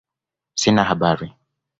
Sina habari